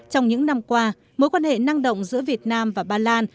trong những năm qua mối quan hệ năng động giữa việt nam và ba lan